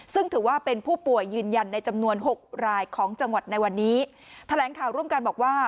ซึ่งถือว่าเป็นผู้ป่วยยืนยันในจำนวนหกรายของจังหวัดในวันนี้แถลงข่าวร่วมกันบอกว่า